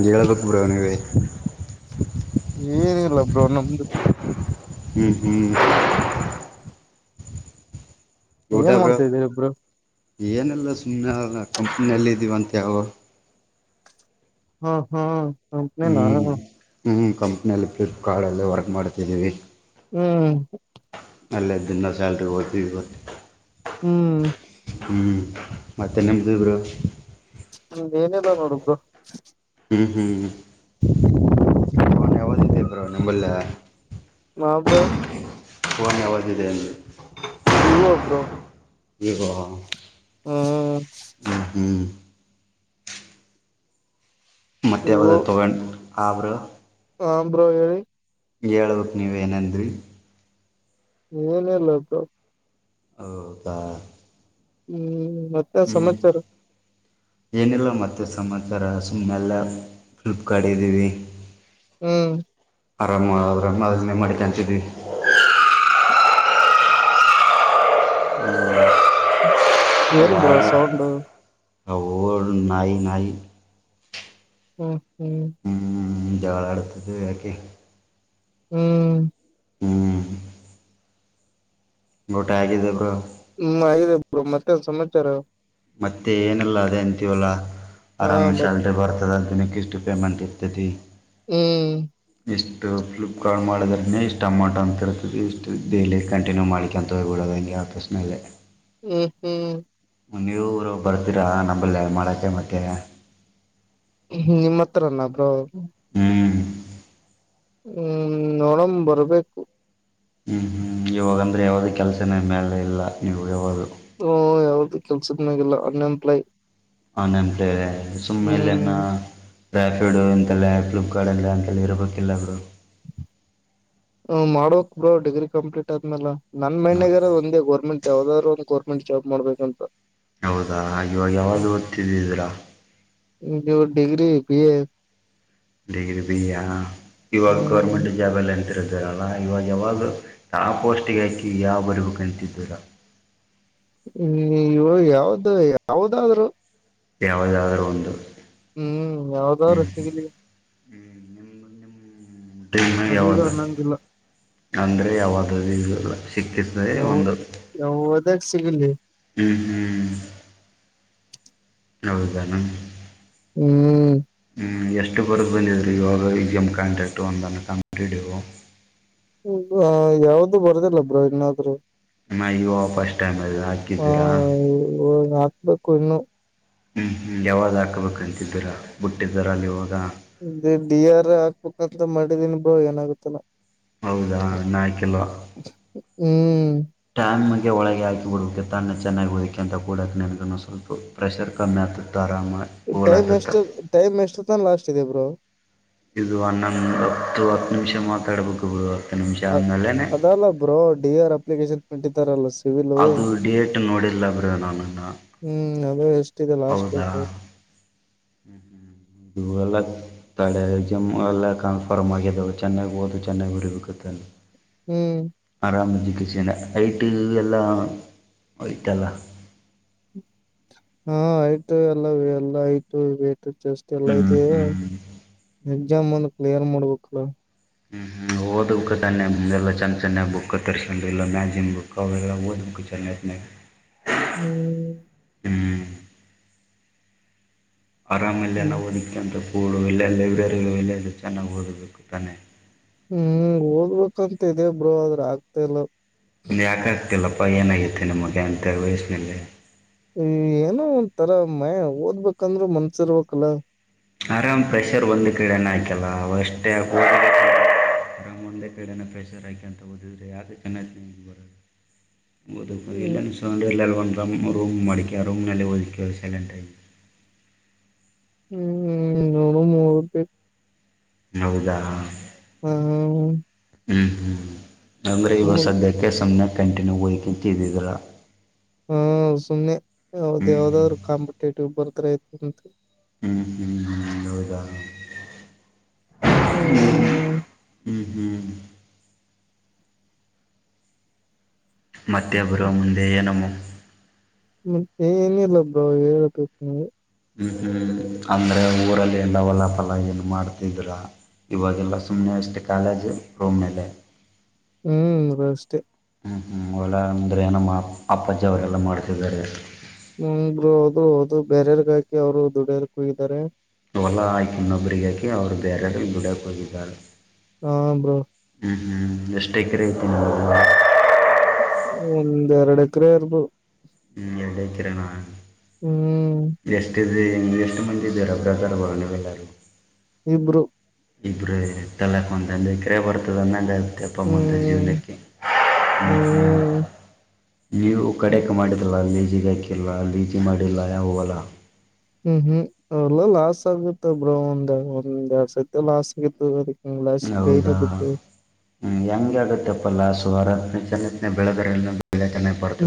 ಇಜಳವಕ ಬರಣ ಹೇಳಿ ಏನ ಇಲ್ಲ ಬ್ರೋ ನಮ್ದು ಹ್ಮ್ ಹ್ಮ್ ಊಟ ಏನ್ ಬ್ರೋ ಮಾಡ್ತಾ ಇದ್ದೀಯಾ ಬ್ರೋ ಏನೆಲ್ಲ ಸುಮ್ಮನೆ ಕಂಪನಿಯಲ್ಲಿ ಇದ್ದೀವ ಅಂತ ಯಾವ ಹ್ಮ ಹಾ ಕಂಪನಿ ನಾ ಹ ಕಂಪನಿಯಲ್ಲಿ ಪ್ಲೀಪ್ಕಾರ್ಡಲ್ಲಿ ವರ್ಕ್ ಮಾಡ್ತಿದ್ದೀವಿ ಹ್ಮ್ ಅಲ್ಲೇ ದಿನ ಸ್ಯಾಲ್ರಿ ಹೋಯಿತಿವಿ ಗೊತ್ತ ಹ್ಮ್ ಹ್ಮ್ ಮತ್ತೆ ನಿಮ್ದ ಬ್ರೋ ಏನಲ್ಲ ನೋಡು ಬ್ರೋ ಹ್ಮ್ ಹ್ಮ್ಬಯಾವ್ದ್ ಇದೆ ಬ್ರೋ ನಿಂಬಲ್ಲ ಮಾ ಪ್ರ್ರ ಫೋನ್ ಯಾವದಿದೆ ಅಂದರೆ ವಿವ ಅ ಬ್ರೋ ವಿವೋ ಹ್ಞೂ ಹ್ಮ ಹ್ಞೂ ಮತ್ತ ಯಾವ್ದ ತಗೊಂಡು ಅವರು ಹ ಬ್ರೋ ಹೇಳಿ ಹೇಳ್ಬೇಕಕ್ು ನೀವೇಏನಂದ್ರರಿ ಏನಲ್ಲಪ್ಪ ಹೌದಾ ಹ್ಮ್ ಮತ್ತೆ ಹ್ಞೂ ಸಮಾಚಾರ ಏನಿಲ್ಲ ಮತ್ತುತ್ತೆ ಸಮಾಚಾರ ಸುಮ್ಮನೆಲ್ಲ ಫ್ಲಿಪ್ಕಾರಾರ್್ಟ್ದೀವಿ ಹ್ಮ್ ಆರಾಮ ಆರಾಮ್ ಅದನ್ನೇ ಮಾಡಿ ಕಾಣಂತಿದ್ವಿ ೇರೆ ಬರಾ ಸೌಂಡ ಹ ನಾಯಿ ನಾಯಿ ಹ್ಮ್ ಹ್ಮ್ ಹ್ಮ್ ಜಾಳ ಅಡ್ತದೆಕೆ ಹ್ಮ್ ಹ್ಮ್ ಊಟ ಆಗಿದೆ ಬ ಹ್ಮ್ ಆದೆ ಮತ್ತೆ ಸಮಾಚಾರ ಮತ್ತೆ ಏನಲ್ಲ ಅದೇ ಅಂತೀವಲ್ಲಾ ಹಾ ಆರಾಮಶ ಮತ್ ಅಲ್ೆ ಬರ್ತದ ಅಂತಿನಕ್ಕೆ ಇಷ್ಟ ಟಿ ಪೇಮೆಂಟ್ ಇತಿ ಹ್ಮ್ ಇಷ್ಟು ಫ್ಲಿಪ್ಕಾರ್ಟ್ ಮಾಡೋದ್ರೆ ಇಷ್ಟು ಟಮೋಟೋ ಅಂತ ಇರ್ತದೆ ಇಷ್ಟು ಡಲಿ ಕಂಟಿನ್ಯೂ ಮಾಡ್ಲಿಕ್ಕೆ ಅಂತ ಹಬಡದು ಆ ಪ್ರೃಷ್ನೇ ಹ್ಮ ಹ್ಮ್ ನೀವರು ಬರ್ತೀರಾ ನಂಬಲ್ಲೇ ಮಾಡಕೆ ಮತ್ತೆ ನಿಮ್ಮ್ ಹತ್ರನ್ರ ಹ್ಮ್ ಹ್ಮ್ ನೋಡ ಬರ್ಬೇಕು ಇವಾಗ ಅಂದ್ರೆ ಯಾವುದ ಕೆಲಸನ ಮೇಲೆ ಇಲ್ಲ ನೀವು ಯಾವದು ಹ್ಮ ಯಾವ್ದು ಕೆಲ್ಸದನ್ಯಾಗಲ್ಲ ಅನ್ಎಂಪ್ಲಾಯ್ ಹ ನೆನ್ಪ್ಲದೆ ಸುಮ್ಮೇಲೆನ್ನ ಹ್ಮ್ ರಾಫಿಡು ಇಂತಲ್ಲೇ ಫ್ಲಿಪ್ಕಾರಡ್ಲ್ಲ ಅಂತಲೇ ಇರಬೇಕಿಲ್ಲ ಅವರು ಮಾಡೋಕ್ ಬೋ ಡಿಗ್ರಿ ಕಂಪ್ಲೀಟ್ ಆದ್ಮೇಲೆ ನನ್ ಮಣ್ಣಾಗರದ ಒಂದ ಗೌರ್ಮೆಂಟ್ ಯಾವದಾದ್ರು ಒಂದು ಗೌರ್ಮೆಂಟ್ ಜಾಬ್ ಮಾಡ್ಬೇಕ ಅಂತ ಹೌದಾ ಹಾಗವಾಗ ಯಾವ್ದೂ ಗೊದತ್ತಿದ್ದಿದೀರಾ ನೀ ಡಿಗ್ರಿ ಬಿ ಎ ಗ್ರಿ ಬಿಯ ಇವಾಗ ಹ್ಮ್ ಗೌರ್ಮೆಂಟ್ ಜಾಬ್ ಎಲ್ಲ ಎಂತಿರೆ ಲ್ಲ ಇವಾಗ ಯಾವಾಗಲ ತ ಪೋಸ್ಟ್ಗೆ ಹಾಕಿ ಯಾವ ಬರಿಗೂ ಕಂತಿದ್ದರ ಹ್ಮ್ ಇವು ಯಾವ್ದು ಯಾವದಾದ್ರು ಯಾವದಾದರೂ ಉಂದು ಹ್ಮ್ ಯಾವ್ದಾದ್ರು ಸಿಗಲಿ ಹ್ಮ್್ಮ ಅದು ಇದು ಅರ್ನ್ನಂಗಂಗಿಲ್ಲ ಅಂದ್ರೆ ಯಾವಾದ್ದ ಇಲ್ಲ ಸಿಕ್ತಿರ್ತದೆ ಒಂದು ದ ಸಿಗಿ ಹ್ಮ್ ಹ್ಮ್ ಹೌದಾನ ಹ್ಮ್ ಹ್ಮ್ ಎಷ್ಟು ಕೊರಗ ಬಂದಿದ್ರಿ ಯಾಗ ಪಿಎಂ ಕಂಟ್ಯಾಕ್ಟ್ ಅವನ್ [unintelligible] ಹೂ ಯಾವ್ದು ಬರದಿಲ್ಲ ಬ್ರೋ ಇನ್ನಾದ್ರು. [unintelligible] ಪಸ್ಟ್ ಟೈಮ್ ಅಲ್ಲಿ ಹ ಹಾಕಿದ್ದೀರಾ. ಇವಾಗ ಹಾಕ್ಬೇಕು ಇನ್ನು ಹ್ಮ್ ಹ್ಮ್ ಯಾವಾಗ್ ಹಾಕ್ಬೇಕಂತಿದ್ದೀರಾ ಬುಟ್ಟಿದಾರ ಅಲ್ಲಿ ಇವಾಗ ಡಿ ಆರ್ ಹಾಕ್ಬೇಕಂತ ಮಾಡಿದಿನ್ ಬ್ರೋ ಏನಾಗುತ್ತೆ ಏನೋ ಹೌದಾ ಇನ್ನ ಹಾಕಿಲ್ಲ ಹ್ಮ್ ಟ್ಯಾಮ್ಗೆ ಒಳಗೆ ಹಾಕಿ ಬಿಡಕ್ಕೆ ತನ್ನೆ ಚೆನ್ನಾಗಿ ಒದಕ್ಕ ಅಂತ ಕುಡ್ಯಾಕ ನಿಮ್ಗೂ ನು ಸ್ವಲ್ಪ ಪ್ರೆಷರ್ ಕಮ್ಮಿ ಆಗ್ತತ ಟೈಮ್ ಎಷ್ಟು ಟೈಮ್ ಎಷ್ಟ ತಾನ ಲಾಸ್ಟ್ ಇದೆ ಬ್ರೋ ಇದು ಹನ್ನೊಂದು ಹತ್ತು ಹತ್ತು ನಿಮಿಷ ಮಾತಾಡ್ಬೇಕು ಬ್ರೋ ಅದಲ್ಲ ಬ್ರೋ ಡಿ ಆರ್ ಅಪ್ಲಿಕೇಶನ್ ಕಟ್ಟಾತ್ತರಲ್ಲ ಅದು ಡೇಟ್ ನೋಡಿಲ್ಲ ಬ್ರೋ ನಾನುನ್ನು ಹ್ಮ್ ಅದು ಎಷ್ಟಿದೆ ಲಾಸ್ಟ್ ಹೌದಾ ಡೇಟ್ ಹ್ಮ ಹ್ಮ ಇದು ಎಲ್ಲಾ ತಡೆ ಎಕ್ಸಾಮ್ ಎಲ್ಲಾ ಕಾಲ್ ಪಾರ್ಮ್ ಆಗಿದ್ದಾವೆ ಚೆನ್ನಾಗ್ ಓದಿ ಚೆನ್ನಾಗ್ ಬರಿಬೇಕಾತ ಹ್ಮ್ ಆರಾಮ್ ಎಜುಕೇಶನ್ ಐಟಿ ಎಲ್ಲಾ ಹೋಯ್ತ ಅಲ್ಲ ಹಾ ಐಟಿ ಎಲ್ಲ ಎಲ್ಲ ಆಯ್ತು ಜಸ್ಟ್ ಎಲ್ಲ ಹ್ಮ್ ಐದು ಹ್ಮ್ ಎಕ್ಸಾಮ್ ಒಂದು ಕ್ಲಿಯರ್ ಮಾಡ್ಬೇಕಲ್ಲ. ಹ್ಮ್ ಹ್ಮ್ ಹೌ ಓದಕ್ಕೆ ತಾನೆ ಮುಂದೆಲ್ಲ ಚೆಂದ ಚೆನ್ನಾಗಿ ಬುಕ್ ತರ್ಸ್ಕೊಂಡ್ ಇಲ್ಲ ಮ್ಯಾಜಿನ್ ಬುಕ್ ಅವೆಲ್ಲ ಓದ್ಬೇಕು ಚೆನ್ನಗಿ ಹ [unintelligible] ಹ್ಮ್ ಹ್ಮ್ ಆರಾಮ ಇಲ್ಲ ನಾ ಹ್ಮ್ ಓದಿಕ್ಕೆ ಅಂತ ಕೂಡ ಎಲ್ಲೆ ಲೈಬ್ರರಿಗಳು ಎಲ್ಲ ಎಲ್ಲ ಚೆನ್ನಾಗಿ ಓದಬೇಕು ತಾನೆ ಹ್ಮ್ ಓದ್ಬೇಕಂತ ಇದೇ ಬ್ರೋ ಆದ್ರೆ ಆಗತ್ತ ಇಲ್ಲ ಯಾಕಾಗ್ತಿಲ್ಲಪ್ಪ ಏನಾಗಿತ್ತು ನಿಮಗೆ ಅಂ ವಯಸ್ನಲ್ಲಿ ಏನೋ ಒಂತರ ಮ ಓದ್ಬೇಕಂದ್ರೂ ಮನಸ್ಸು ಇರಬೇಕು ಅಲ್ಲ ಆರಾಮ್ ಪ್ರೆಶರ್ ಒಂದಕ್ಕೆಲನೆ ಆಕ್ಯಲ್ಲ ಅವು ಅಷ್ಟೇ ನಮ್ಮ ಒಂದೇ ಕಡೆನ ಪ್ರೆಶರ್ ಹಾಕ್ಯಾಂತ ಓದಿದ್ರರೆ ಯಾವುದಕ್ಕನ [unintelligible] ಓದುಕ್ಕೆ ಬರಿಲ್ಲ ಹ್ಮ್ ಅಂದ್ರೆ ಸಣ್ಣ ರೂಮ್ ಮಾಡ್ಕ ರೂಮ್ ನಲ್ಲಿ ಓದಕ್ಕೆ ಸೈಲೆಂಟ್ ಆಗಿ ಹ್ಮ್ ನೂರು ಮೂರ್ ಹೌದಾ ಹೂ ಹ್ಮ್ ಹ್ಮ್ ಹ್ಮ್ ಅಂದ್ರೆ ಇವಾಗ ಸದ್ಯಕ್ಕೆ ಸುಮ್ಮರ್ ಕ್ಯಾಂಟಿನ್ ಹೋಗ್ ತಿಂತಿದ್ದಿದ್ರಾ ಹಾ ಸುಮ್ನೆ ಯಾವ್ದ್ ಹ್ಞೂ ಯಾವ್ದಾದ್ರು ಕಾಂಪಿಟೇಟಿವ್ ಬರದ್ರೆ ಐತು ಅಂತ. ಹ್ಮ್ ಹ್ಮ್ ಹ್ಮ್ ಹೌದ ಹ್ಮ್ ಹ್ಮ್ ಮತ್ತೆ ಬ್ರೋ ಮುಂದೆ ಏನಮ್ ಮತ್ತೆ ಏನಿಲ್ಲ ಬ್ರೋ ಹೇಳಬೇಕು ನೀವೆ ಹ್ಮ್ ಹ್ಮ್ ಅಂದ್ರೆ ಊರಲ್ಲಿ ಹೊಲಫಲ ಏನು ಮಾಡ್ತಿದ್ರ ಇವಾಗೆಲ್ಲ ಸುಮ್ಮನೇ ಅಷ್ಟೇ ಕಾಲೇಜು ರೂಮ್ ಮೇಲೆ ಹ್ಮ್ ವಷ್ಟೆ ಹ್ಮ್ ಹ್ಮ್ ಹೊಲ ಅಂದರೆ ನಮ್ಮ ಅಪ್ಪಾಜ್ಜಿ ಅವರೆಲ್ಲ ಮಾಡ್ತಿದ್ದಾರೆ. ಹ್ಮ್ ಬ್ರೋ ಅದು ಬೇರೆ ಅವರಿಗೆ ಹಾಕಿ ಅವ್ರು ದುಡ್ಯರ್ ಕ್ಕೂ ಇದ್ದಾರೆ. ಹೊಲ ಆಕಿ ಇನ್ನೊಬ್ಬರಿಗೆ ಹಾಕಿ ಅವ್ರು ಬೇರೆಯವರಿಗೆ ದುಡಿಯೊಕ್ಕೆ ಹೋಗಿದ್ದಾರ. ಹಾ ಬ್ರೋ ಹ್ಮ್ ಹ್ಮ್ ಎಷ್ಟು ಎಕರೆ ಐತಿ ನಿಮ್ದು ಒಂದ್ ಎರಡ್ ಎಕರೆ ಇರಬಹುದು ಹ್ಮ್ ಎ ಕಕರ ನಾ ಹ್ಮ್ ಅ ಎಷ್ಟು ಮಂದ ಬೇರ ಅಬ್ರಧರ ಬರನ ಬೆಲ್ಲರು ಇಬ್ಬರು ಇಬ್ರು ತಲಕ ಅಂತ ಅಂದ ಕ್ರೇಪರತಂದ ಅಂದ ಮಪ್ಪಮ್ಮಂದ ಹ್ಮ್ ಜೀವನಕ್ಕೆ ಹ ಹ್ಮ್ ನೀವು ಕಡೆಕ್ ಮಾಡಿದಲ್ಲ ಲೀಜಿಗೆ ಹಾಕಿಲ್ಲ ಲೀಜಿ ಮಾಡಿಲ್ಲ ಯ ಹವಲ್ಲ ಹ್ಮ್ ಹ್ಮ್ ಎಲ್ಲ ಲಾಸ್ ಆಗುತ್ತಬ್್ರ ಒಂದ ಒಂದ್ ಎರಡ್ ಸತಿ ಲಾಸ್ ಆಗಿತ್ತು ಹಾ ಕೈ ಬಿತ್ತು ಹ್ಮ ಹೆಂಗಗೆ ಆಗತ್ತಪ್ಪಲ್ಲಾ ಸು ಅಾರ ಜನತ್ತನನೆ ಬೆಳೆದರೆ ಎಲ್ಲ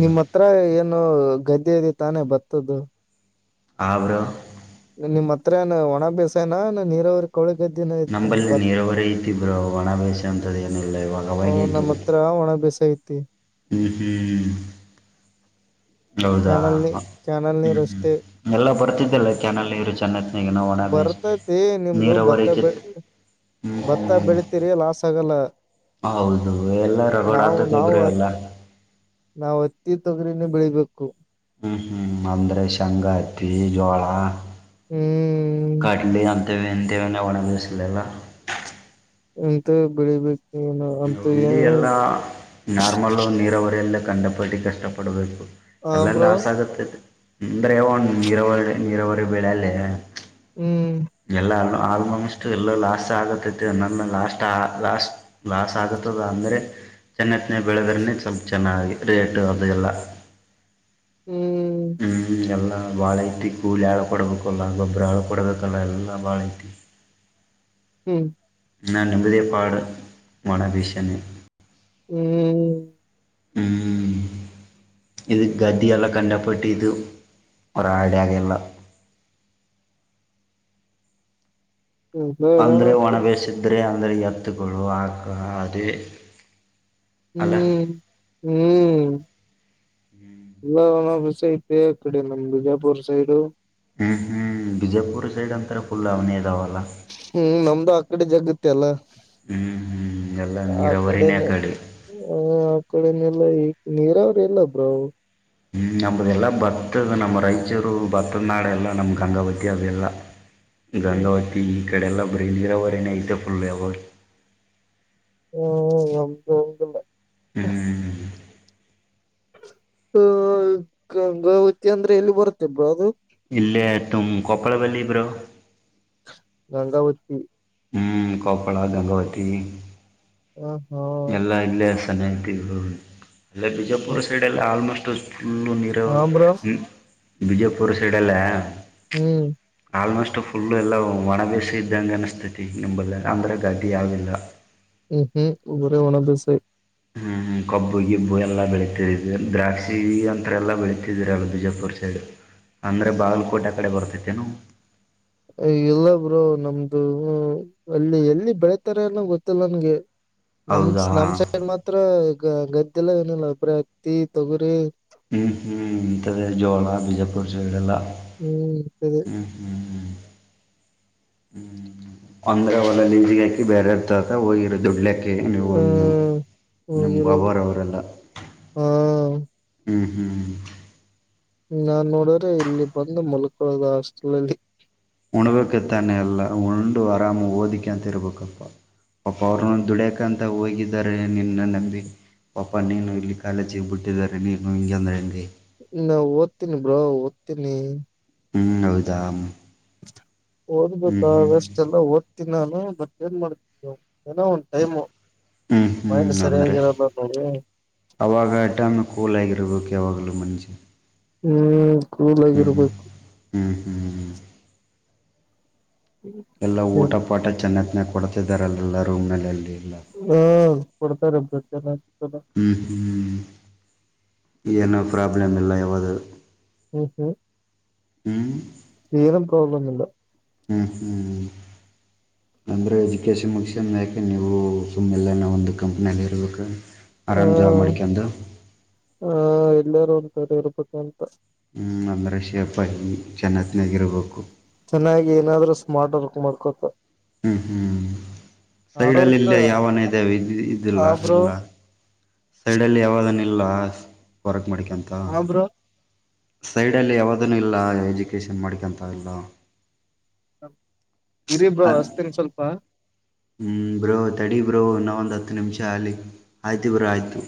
ನಿಮ್ಮ್ ಹತ್ರ ಏನು ಗದ್ದೆದ ತಾನೇ ಬರ್ತದ್ದು ಅವರು ನಿಮ್ ಹತ್ರಏ ಒಣ ಬ್ಯಸಾಯನ ನ ನೀರವ್ರ ಕಳ ದಿನ ನಂಬಲ್ಲಿ ಇಯತ ನೀರಾವರಿ ಐತಿ ಬ್ರೋ ಒಣ ಬೇಸಾಯ ಅಂತದ್ ಏನಿಲ್ಲ ಇವಾಗ ಅವಾಗೆ ನಮ್ಮ ಹತ್ರ ಒಣ ಬೇಸ ಇತ್ತು ಹ್ಮ ಹ್ಮ ಹೌದಾ ಕ್ಯಾನಲ್ ನೀ ಕ್ಯಾನಲ್ ಹ್ಮ್ ನೀರ್ ಅಷ್ಟೇ ಹ್ಮ್ ಎಲ್ಲ ಬರ್ತಿದ್ದಲ್ಲ ಕೆ್ಯಾನಲ್ ನೀರು ಚೆನ್ನ ಬರ್ತತಿ ನಿಮ್ದು ಭತ್ತ ಬೆ ಕಿತ್ ಹ್ಮ್ ಭತ್ತ ಹ್ಮ್ ಬೆಳಿತೀರಿ ಲಾಸ್ಗಲ್ಲ ಹೌದು ಎಲ್ಲ ರಗೋಡ ಆತತಿ ಇಬರು ಎಲ್ಲ ನಾವವು ಅತ್ತಿ ತೊಗ್ರನ ಬೆಳಿಬೇಕು ಹ್ಮ್ ಹ್ಮ್ ಅಂದ್ರೆ ಸಂಗಾತಿ ಜೋಳ ಹ್ಮ್ ಕಡ್ಲಿ ಅಂತ ಅಂತೇವನ ಒಣಭಿಸಲಲ್ಲ ಎಂತ ಬಿಳಿ ಬಿ ನವು ಇಲ್ಲಿ ಎಲ್ಲಾ ನಾರ್ಮಲ್ ನೀರಾವರಿ ಎಲ್ಲ ಕಂಡಪಟ್ಟ ಕಷ್ಟಪಡ್ಬೇಕು ಹ ಎಲ್ಲ ಬ್ರೋ ಲಾಸ್ ಆಗತ್ತ ಅಂದ್ರೆ ಒನ್ ನೀರಾವರಿ ನೀರಾವರಿ ಬೆಳೆ ಅಲ್ಲೇ ಹ್ಮ್ ಎಲ್ಲ ಆಲ್ಮೋಸ್ಟ್ ಎಲ್ಲ ಲಾಸ್ಟ್ ಆಗತ್ತೈತಿ ನ ಲಾಸ್ಟ್ ಲಾಸ್ಟ್ ಲಾಸ ಆಗತದ ಅಂದರೆ ಚೆನ್ನತ್ತನ್ನ ಬೆಳೆದ್ರೇ ಸ್ವಲ್ಪ ಚೆನ್ನಾಗಿ ರಿಯಾಕ್ಟ್ ಅದ ಎಲ್ಲ ಹ್ಮ್ ಹ್ಮ್ ಎಲ್ಲಾ ಬಾಳ ಐತಿ ಕೂಲಿ ಹಾಳ ಕೊಡಡ್ಬೇಕಲ್ಲ ಗೊಬ್ಬರ ಹಾಳು ಕೊಡ್ಬೇಕಲ್ಲ ಎಲ್ಲ ಬಾಳ ಐತಿ ಹ್ಮ್ ನ ನಂಬದ ಪಾಡು ಮಾಡಣಭಷೆ ಹ್ಮ್ ಹ್ಮ್ ಇದು ಗದ ಎಲ್ಲ ಕಂಡಪಟ್ಟು ಇದು ಒ ಆಡೆ ಆಾಗೆಲ್ಲ ಅಂದ್ರೆ ಹ್ಮ್ ಒಣ ಬೇಸಿದ್ರೆ ಅಂದ್ರೆ ಎತ್ತುಗಳು ಆಗ ಅದೇ ಅಲ್ಲ ಹ್ಮ್ ಹ್ಮ್ ಎಲ್ಲ ಒಫ ಇ ಕಡೆ ನಮ್ ಬಿಜಾಪುರ್ ಸೈಡು ಹ್ಮ್ ಹ್ಮ್ ವಿಜಯಪುರ್ ಸೈಡ್ ಅಂತಾರೆ ುಲ್ ಆ ಅವನದಾವ ಹ್ಮ್ ನಮ್ದು ಆ ಕಡೆ ಜಗತ್ತ ಅಲ್ಲ ಹ್ಮ್ ಹ್ಮ್ ಎಲ್ಲ ಆ ಕಡೆ ನೀರಾವರಿನೇ ಆ ಆ ಕಡೆನೆೆಲ್ಲ ನೀರಾವ್ರ ಎಲ್ಲ ಬ್ರೋ ಹ್ಮ ನಮ್ಮದೆ ಎಲ್ಲ ಭತ್ತದ ನಮ್ಮ ರಾಯಚೂರು ಭತ್ತದನಾಾಡು ಎಲ್ಲ ನಮ್ಮ ಗಂಗಾವತಿ ಅದೆಲ್ಲ ಗಂಧಾವತಿ ಈ ಕಡೆಲ್ಲ ಬರಿೀಲಿ ಇರೋವರೇನ ಐತೆ ಫುಲ್ ಯಾವ ಹ್ಮ ನ ಹಲ್ಲ ಹ್ಮ್ ಹ ಗಂಗಾವತಿ ಅಂದ್ರೆ ಎಲ್ಲಿ ಬರುತ್ತೆಬ್ರ ಅದು ಇಲ್ಲೇ ತುಮ ಕೊಪ್ಪಳ ಬಲ್ಲಿ ಇಬ್ರು ಗಂಗಾವತಿ ಹ್ಮಞೂ ಕೊಪ್ಪಳ ಗಂಗಾವತಿ ಹ ಹಾ. ಎಲ್ಲ ಇಲ್ಲೇ ಸನಹಿತಿಗಳು ಅಲ್ಲ ಬಿಜಾಪುರ ಸೈಡ್ ಎಲ್ಲ ಆಲ್ಮೋಸ್ಟ್. ಫುಲ್ಲು ನೀರು ಅವ ಹಾ ಬ್ರೋ ಹ್ಮ ಬಿಜಯಪುರ ಸೈಡಲ್ಲ. ಹ್ಮ್. ಆಲ್ಮೋಸ್ಟ್ ಫುಲ್ಲು ಎಲ್ಲ ಒಣ ಬೇಸ ಇದ್ದಂಗೆ ಅನಿಸ್ತೈತಿ ನಿಂಬಲ್ಲ ಅಂದ್ರೆ ಗಡ್ಡಿ ಯಾವಿಲ್ಲ. ಹ್ಮ್ ಹ್ಮ್ ಊರೇ ಒಣ ದಸೈ. ಹ್ಮ ಹ. ಕಬ್ಬು ಗಿಬ್ಬು ಎಲ್ಲ ಬೆಳೀತಿದ ದ್ರಾಕ್ಷಿ ಅಂತ್ರ ಎಲ್ಲ ಬೆಳೀತಿದರಲ್ಲ ಬಿಜಾಪುರ ಸೈಡು. ಅಂದ್ರೆ ಬಾಗಲ್ಕೋಟೆ ಕಡೆ ಬರ್ತತೆೇನು. ಇಲ್ಲ ಬ್ರೋ ನಮ್ದು ಅಲ್ಲಿ ಎಲ್ಲಿ ಬೆಳತಾರೆ ಅನ್ನೋ ಗೊತ್ತಿಲ್ಲ ನನ್ಗೆ. ನಮ್ ಹೌದಾ ನಮ್ ಸೈಡ್ ಮಾತ್ರ ಈಗ ಗದ್ದೆಲ್ಲ ಏನಿಲ್ಲ ಒಬ್ರ ಹತ್ತಿ ತೊಗುರಿ. ಹ್ಮ್ ಹ್ಮ್ ಇಂತದ ಜೋಳ ಬಿಜಾಪುರ್ ಸೈಡೆಲ್ಲಾ. ಹ್ಮ್ ಅದೆ. ಹ್ಮ್. ಹ್ಮ ಅಂದ್ರೆ ಒಲ್ಲ ಲಿಂಜಿಗಾಕಿ ಬೇರೆರ್ ಜೊತೆ ಹೋಗಿರ ದುಡ್ಲೆಕ. ತೆ ನೀವು ಒಂದು ಹ್ಮ್ ನಿಮ್ ಹೋಗಿರೋದು ಬಾಬಾರವರೆಲ್ಲ. ಹಾ ಹ್ಮ್ ಹ್ಮ್. ನಾನ್ ನೋಡ್ರೆ ಇಲ್ಲಿ ಬಂದು ಮುಲ್ಕಳದು ಹಾಸ್ಟೆಲ್ಲ್ಲಿ. ಉಣ ಬೇಕು ತಾನೆ ಎಲ್ಲ ಉಂಡು ಅರಾಮ ಓದಿಕಾಂತೀರ್ಬೇಕಕ್ಪ್ಪ. ಪಾಪಾ ಅವರು ದುಡಿಯಕ ಅಂತ ಹೋಗಿದ್ದಾರೆ ನಿನ್ನ ನಂಬಿ. ಪಾಪ ನೀನು ಇಲ್ಲಿ ಕಾಲೇಜಿಗೆ ಬಿಟ್ಟಿದ್ದಿದ್ದಾರೆ ನೀನು ಹಿಂಗೆ ಅಂದರೆ ಹೆಂಗೆ. ನಾ ಓದ್ತೀನಿ ಬ್ರೋ ಓದ್ತೀನಿ. ಹ್ಮ್ ಹೌದಾ. ಹ್ಞೂ ಓದ್ಬೇಕಾಷ್ಟೆಲ್ಲ ಓದ್ತೀನಿ ನಾನು ಬಟ್ ಏನ್ ಮಾಡ್ತನಿ. ಏನೋ ಒನ್ ಟೈಮ್. ಹ್ಮ್ ಮೈಂಡ್ ಹ್ಮ್ ಅಂದ್ರೆ ಸರಿಯಾಗಿರಲ್ಲ ನೋಡಿ ಅವಾಗ ಟೈಂ ಕೂಲ ಆಗ. ಇರ್ಬೇಕು ಯಾವಾಗಲು ಮನುಷ್ಯ. ಹ್ಮ್ ಹ್ಞೂ ಕುಲಾಗಿರ್ಬೇಕು. ಹ್ಞೂ ಹ್ಞೂ ಎಲ್ಲಾ ಊಟ ಪಾಟ ಚೆನ್ನತ್ನ ಕೊಡ್ತಿದಿದ್ದಾರೆ ಅಲ್ಲೆಲ್ಲ ರೂಮ್ ನಲ್ಲಿ ಅಲ್ಲಿ. ಎಲ್ಲ ಹ್ಮ ಕೊಡ್ತಾರೆ [inaudible] ಏನ ಪ್ರಾಬ್ಲಮ್ ಇಲ್ಲ ಯಾವದು. ಹ್ಮ್ ಹ್ಮ್. ಹ್ಮ್. ಎನು ಪ್ರೋಬ್ಲಮ ಇಲ್ಲ. ಹ್ಮ್ ಹ್ಮ್ ಹ. ಅಂದ್ರೆ ಎಜುಕೇಶನ್ ಮುಗೀಸನ್ ಮ್ಯಕೆ ನೀವು ಸುಮ್ಮ್ನೆಲ್ಲನ ಒಂದು ಕಂಪ್ನಿಯಲ್ಲಿ ಇರ್ಬೇಕ. ಆ ಆರಾಮ ಜಾಬ್ ಮಾಡ್ಕೆಂದು. ಎಲ್ಲಾರೂ ಅಂತಾರೆ ಇರ್ಬೇಕು ಅಂತ. ಹ್ಮ್ ಅಂದ್ರೆ ಶೇಪ ಆಗಿ ಚೆನ್ನತಿನಾಗಿ ಇರ್ಬೇಕು. ಚೆನ್ನಾಗಿ ಏನಾದ್ರೂ ಸ್ಮಾರ್ಟ ವರ್ಕ್ ಮಾಡ್ಕೊತ. ಹ್ಮ್ ಹ್ಮ್ ಹಾರ್ಡ್ ಸೈಡ್ಲ್ಲಿ ವರ್ಕ್ ಇಲ್ಲಿಯ ಯಾವನ ಇದೆ ಇದ ಇದಿಲ್ಲ ಆ ಬ್ರೋ ಇಲ್ಲ. ಸೈಡ್ ಅಲ್ಲಿ ಯಾವದನ್ ಇಲ್ಲ ವರ್ಕ್. ಮಾಡಿಕಂತ ಹಾ ಬ್ರೋ ಸೈಡ್ ಅಲ್ಲಿ ಯಾವ್ದ. ಅದನ್ನ ಇಲ್ಲ ಎಜುಕೇಷನ್ ಮಾಡಿಕೊಂತ ಇಲ್ಲ. ಇರಿ ಬ್ರೋ ಹಚ್ತಿನಿ ಸ್ವಲ್ಪ. ಹ್ಮ ಬ್ರೋ ತಡಿ ಬ್ರೋ ಇನ್ನ ಒಂದು ಹತ್ತು ನಿಮಿಷ ಅಲ್ಲಿ ಆಯ್ತು ಬ್ರೋ ಆಯ್ತು.